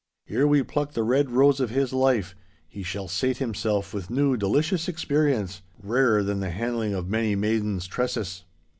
Ere we pluck the red rose of his life, he shall sate himself with new delicious experience—rarer than the handling of many maidens' tresses.